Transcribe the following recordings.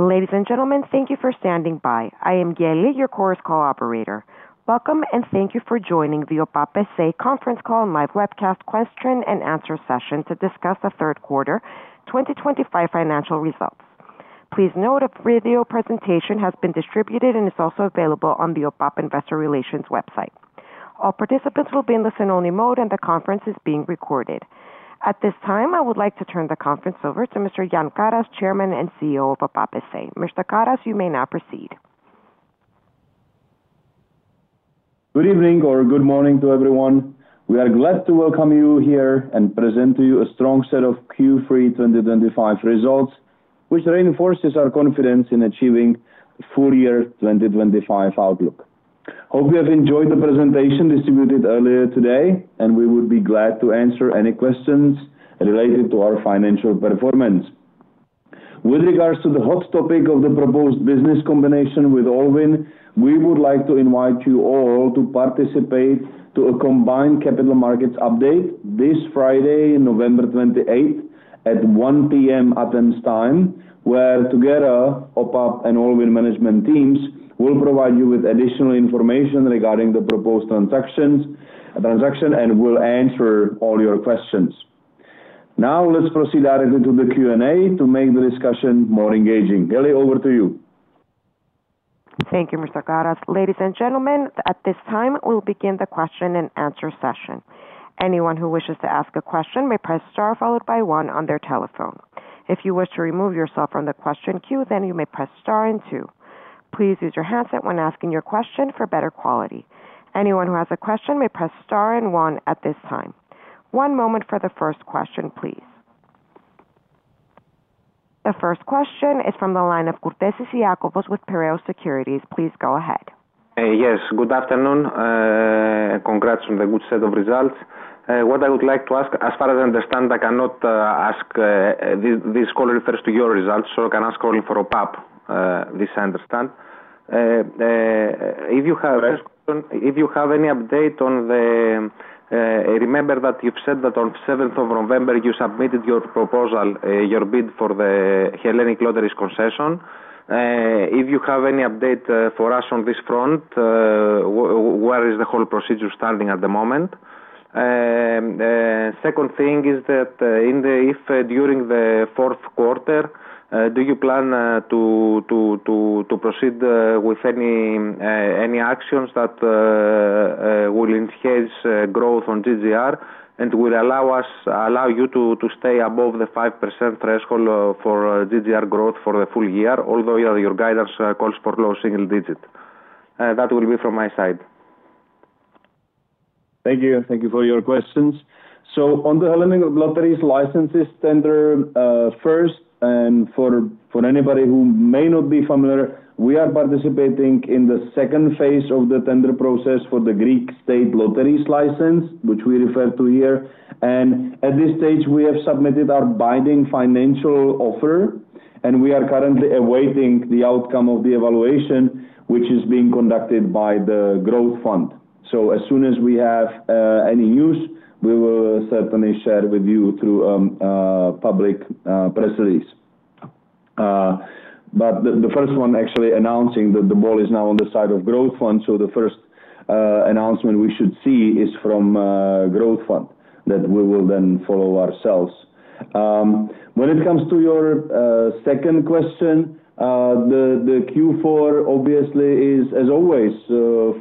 Ladies and gentlemen, thank you for standing by. I am Gail Lee, your course co-operator. Welcome and thank you for joining the OPAP S.A. conference call and live webcast question and answer session to discuss the third quarter 2025 financial results. Please note a video presentation has been distributed and is also available on the OPAP Investor Relations website. All participants will be in listen-only mode and the conference is being recorded. At this time, I would like to turn the conference over to Mr. Jan Karas, Chairman and CEO of OPAP S.A. Mr. Karas, you may now proceed. Good evening or good morning to everyone. We are glad to welcome you here and present to you a strong set of Q3 2025 results, which reinforces our confidence in achieving a full year 2025 outlook. Hope you have enjoyed the presentation distributed earlier today, and we would be glad to answer any questions related to our financial performance. With regards to the hot topic of the proposed business combination with Allwyn, we would like to invite you all to participate in a combined capital markets update this Friday, November 28, at 1:00 P.M. Athens time, where together, OPAP and Allwyn management teams will provide you with additional information regarding the proposed transaction and will answer all your questions. Now, let's proceed directly to the Q&A to make the discussion more engaging. Gail, over to you. Thank you, Mr. Karas. Ladies and gentlemen, at this time, we'll begin the question and answer session. Anyone who wishes to ask a question may press star followed by one on their telephone. If you wish to remove yourself from the question queue, then you may press star and two. Please use your handset when asking your question for better quality. Anyone who has a question may press star and one at this time. One moment for the first question, please. The first question is from the line of Kourtesis Iakovos with Piraeus Securities. Please go ahead. Yes. Good afternoon. Congrats on the good set of results. What I would like to ask, as far as I understand, I cannot ask this call refers to your results, so I cannot call for OPAP, this I understand. If you have any update on the remember that you've said that on November 7th you submitted your proposal, your bid for the Hellenic Lotteries concession. If you have any update for us on this front, where is the whole procedure standing at the moment? Second thing is that if during the fourth quarter, do you plan to proceed with any actions that will enhance growth on GGR and will allow you to stay above the 5% threshold for GGR growth for the full year, although your guidance calls for low single digit? That will be from my side. Thank you. Thank you for your questions. On the Hellenic Lotteries licenses, tender first, and for anybody who may not be familiar, we are participating in the second phase of the tender process for the Greek State Lotteries license, which we refer to here. At this stage, we have submitted our binding financial offer, and we are currently awaiting the outcome of the evaluation, which is being conducted by the Growth Fund. As soon as we have any news, we will certainly share with you through public press release. The first one actually announcing that the ball is now on the side of Growth Fund, so the first announcement we should see is from Growth Fund that we will then follow ourselves. When it comes to your second question, the Q4 obviously is, as always,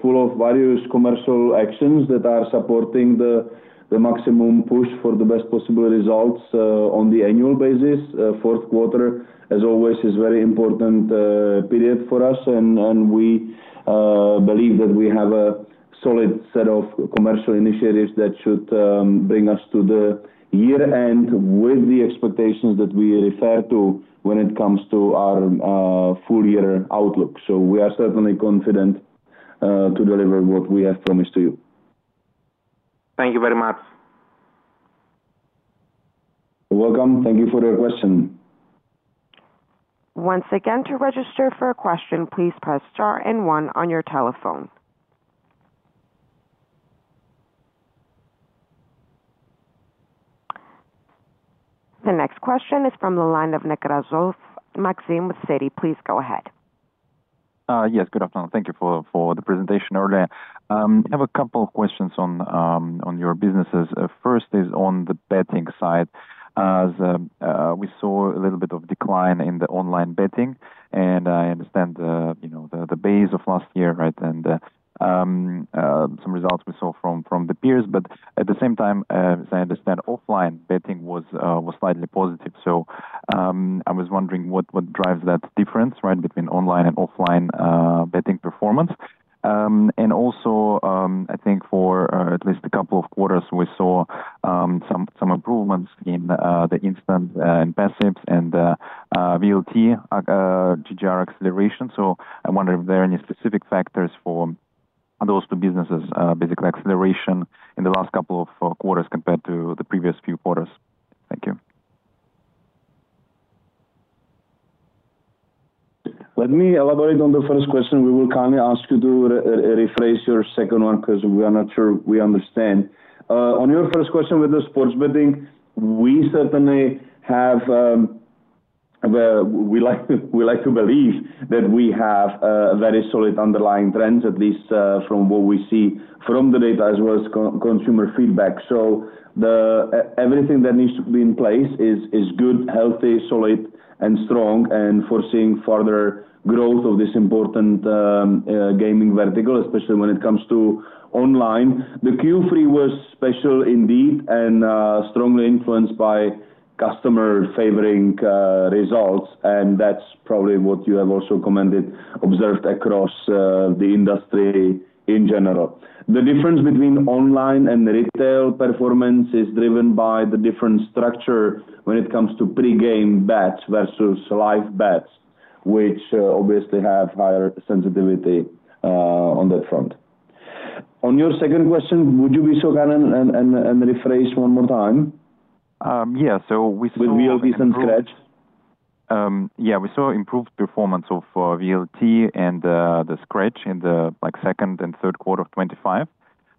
full of various commercial actions that are supporting the maximum push for the best possible results on the annual basis. Fourth quarter, as always, is a very important period for us, and we believe that we have a solid set of commercial initiatives that should bring us to the year-end with the expectations that we refer to when it comes to our full year outlook. We are certainly confident to deliver what we have promised to you. Thank you very much. Welcome. Thank you for your question. Once again, to register for a question, please press star and one on your telephone. The next question is from the line of Nekrasov Maxim with Citi. Please go ahead. Yes. Good afternoon. Thank you for the presentation earlier. I have a couple of questions on your businesses. First is on the betting side. We saw a little bit of decline in the online betting, and I understand the base of last year, right, and some results we saw from the peers. At the same time, as I understand, offline betting was slightly positive. I was wondering what drives that difference, right, between online and offline betting performance. Also, I think for at least a couple of quarters, we saw some improvements in the instant passives and VLT, GGR acceleration. I wonder if there are any specific factors for those two businesses, basically acceleration in the last couple of quarters compared to the previous few quarters. Thank you. Let me elaborate on the first question. We will kindly ask you to rephrase your second one because we are not sure we understand. On your first question with the sports betting, we certainly have, we like to believe that we have very solid underlying trends, at least from what we see from the data as well as consumer feedback. Everything that needs to be in place is good, healthy, solid, and strong, and foreseeing further growth of this important gaming vertical, especially when it comes to online. The Q3 was special indeed and strongly influenced by customer-favoring results, and that is probably what you have also commented, observed across the industry in general. The difference between online and retail performance is driven by the different structure when it comes to pre-game bets versus live bets, which obviously have higher sensitivity on that front. On your second question, would you be so kind and rephrase one more time? Yeah. So we saw. With VLTs and scratch? Yeah. We saw improved performance of VLT and the scratch in the second and third quarter of 2025,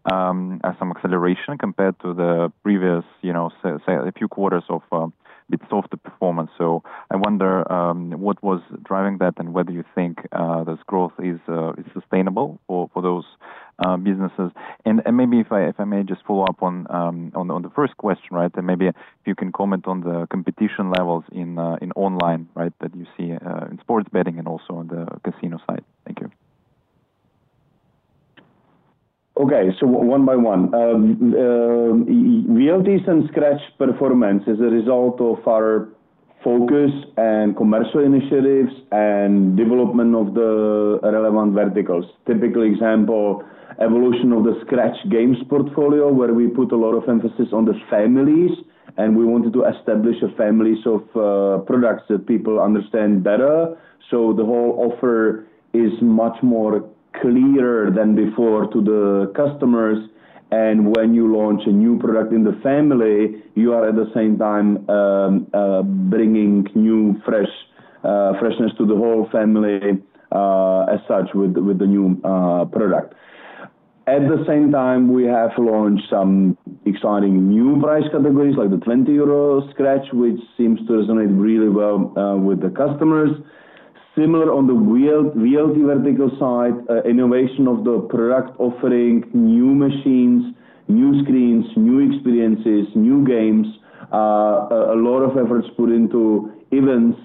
some acceleration compared to the previous few quarters of a bit softer performance. I wonder what was driving that and whether you think this growth is sustainable for those businesses. Maybe if I may just follow up on the first question, right, and maybe if you can comment on the competition levels in online, right, that you see in sports betting and also on the casino side. Thank you. Okay. One by one. VLTs and scratch performance is a result of our focus and commercial initiatives and development of the relevant verticals. Typical example, evolution of the scratch games portfolio where we put a lot of emphasis on the families, and we wanted to establish a family of products that people understand better. The whole offer is much more clear than before to the customers. When you launch a new product in the family, you are at the same time bringing new freshness to the whole family as such with the new product. At the same time, we have launched some exciting new price categories like the 20 euro scratch, which seems to resonate really well with the customers. Similar on the VLT vertical side, innovation of the product offering, new machines, new screens, new experiences, new games, a lot of efforts put into events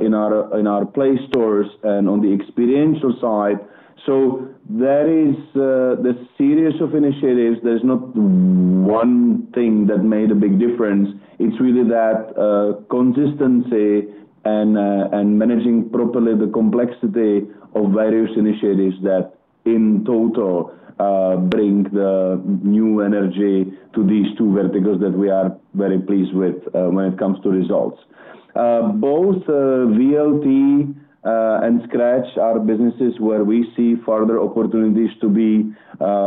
in our play stores and on the experiential side. There is the series of initiatives. There's not one thing that made a big difference. It's really that consistency and managing properly the complexity of various initiatives that in total bring the new energy to these two verticals that we are very pleased with when it comes to results. Both VLT and scratch are businesses where we see further opportunities to be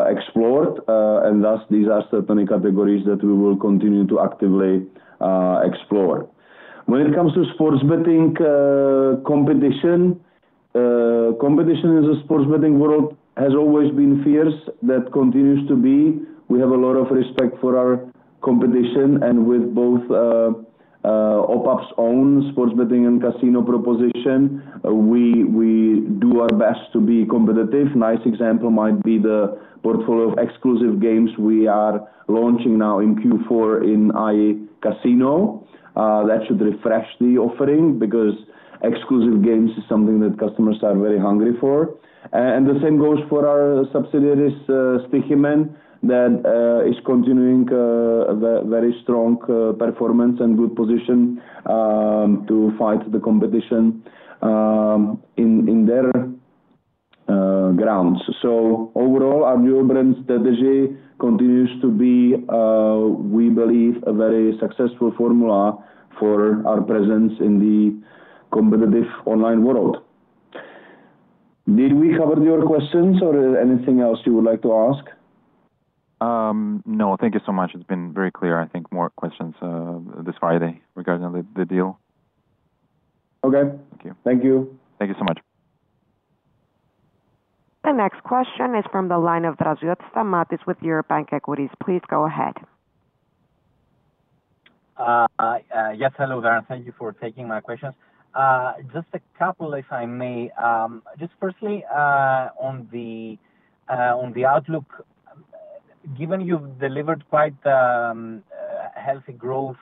explored, and thus these are certainly categories that we will continue to actively explore. When it comes to sports betting competition, competition in the sports betting world has always been fierce. That continues to be. We have a lot of respect for our competition, and with both OPAP's own sports betting and casino proposition, we do our best to be competitive. A nice example might be the portfolio of exclusive games we are launching now in Q4 in AI Casino. That should refresh the offering because exclusive games is something that customers are very hungry for. The same goes for our subsidiary, Stoiximan, that is continuing very strong performance and good position to fight the competition in their grounds. Overall, our dual-brand strategy continues to be, we believe, a very successful formula for our presence in the competitive online world. Did we cover your questions or anything else you would like to ask? No. Thank you so much. It's been very clear. I think more questions this Friday regarding the deal. Okay. Thank you. Thank you. Thank you so much. The next question is from the line of Draziotis Stamatios with European Equities. Please go ahead. Yes. Hello, Jan. Thank you for taking my questions. Just a couple, if I may. Just firstly, on the outlook, given you've delivered quite healthy growth,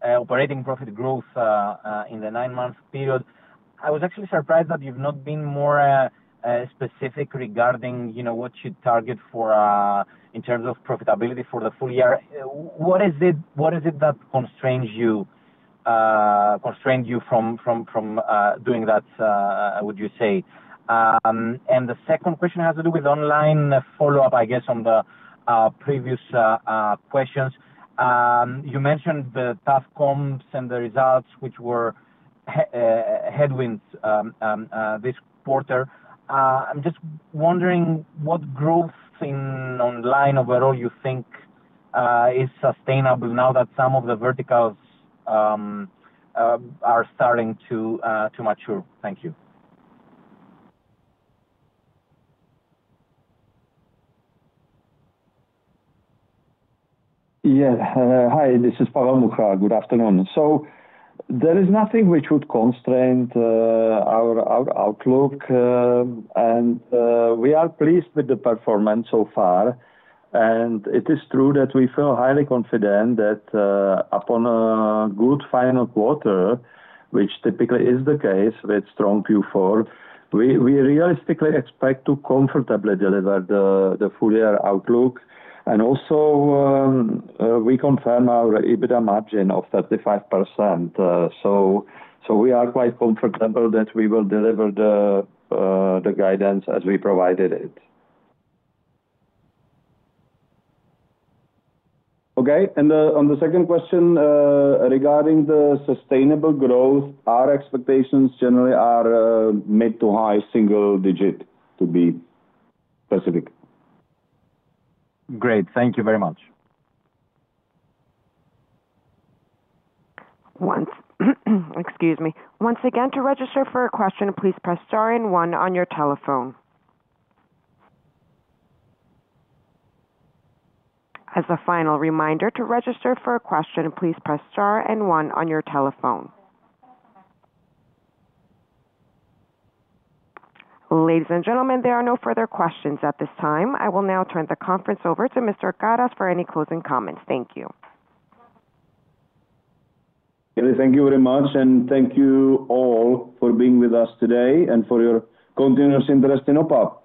operating profit growth in the nine-month period, I was actually surprised that you've not been more specific regarding what you target in terms of profitability for the full year. What is it that constrains you from doing that, would you say? The second question has to do with online follow-up, I guess, on the previous questions. You mentioned the TAFCOPs and the results, which were headwinds this quarter. I'm just wondering what growth in online overall you think is sustainable now that some of the verticals are starting to mature. Thank you. Yes. Hi. This is Pavel Mucha. Good afternoon. There is nothing which would constrain our outlook, and we are pleased with the performance so far. It is true that we feel highly confident that upon a good final quarter, which typically is the case with strong Q4, we realistically expect to comfortably deliver the full-year outlook. We also confirm our EBITDA margin of 35%. We are quite comfortable that we will deliver the guidance as we provided it. Okay. On the second question regarding the sustainable growth, our expectations generally are mid to high single digit to be specific. Great. Thank you very much. Excuse me. Once again, to register for a question, please press star and one on your telephone. As a final reminder, to register for a question, please press star and one on your telephone. Ladies and gentlemen, there are no further questions at this time. I will now turn the conference over to Mr. Karas for any closing comments. Thank you. Thank you very much, and thank you all for being with us today and for your continuous interest in OPAP.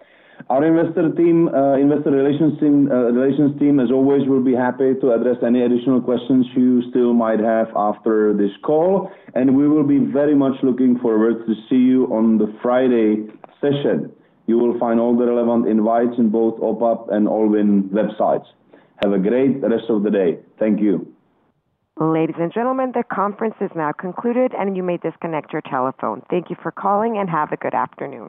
Our investor relations team, as always, will be happy to address any additional questions you still might have after this call, and we will be very much looking forward to see you on the Friday session. You will find all the relevant invites in both OPAP and Allwyn websites. Have a great rest of the day. Thank you. Ladies and gentlemen, the conference is now concluded, and you may disconnect your telephone. Thank you for calling, and have a good afternoon.